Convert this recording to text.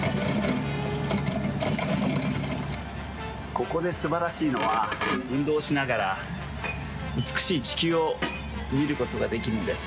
ここですばらしいのは運動しながらうつくしいちきゅうをみることができるんです。